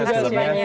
terima kasih banyak